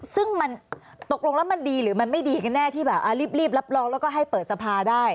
ซึ่งมันตกลงแล้วมันดีหรือมันไม่ดีกันแน่ที่แบบรีบรับรองแล้วก็ให้เปิดสภาได้